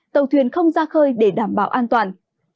tàu thuyền không ra khơi để đảm bảo an toàn